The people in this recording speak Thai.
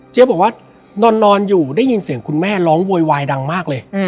บอกว่านอนอยู่ได้ยินเสียงคุณแม่ร้องโวยวายดังมากเลย